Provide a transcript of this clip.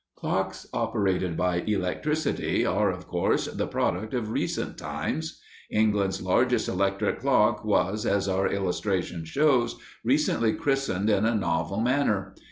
Clocks operated by electricity are, of course, the product of recent times. England's largest electric clock was, as our illustration shows, recently christened in a novel manner.